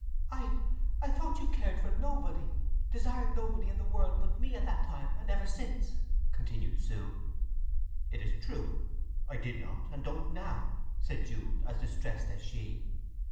"I—I thought you cared for nobody—desired nobody in the world but me at that time—and ever since!" continued Sue. "It is true. I did not, and don't now!" said Jude, as distressed as she.